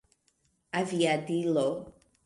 aviadilo